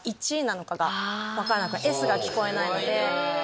Ｓが聞こえないので。